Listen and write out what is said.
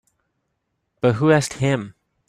But who asked him?